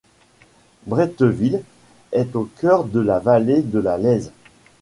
Bretteville est au cœur de la vallée de la Laize.